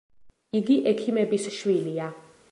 იგი ექიმების შვილია.